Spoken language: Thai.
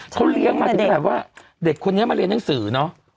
เขาเลี้ยงมาถึงขนาดว่าเด็กคนนี้มาเรียนหนังสือเนอะ